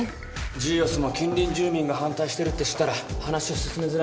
ジーオスも近隣住民が反対してるって知ったら話を進めづらいと思ってね。